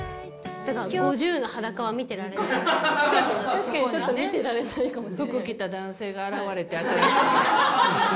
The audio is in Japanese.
確かにちょっと見てられないかもしれない。